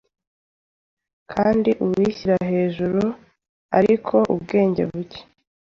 Kandi uwishyira hejuru ariko ubwenge buke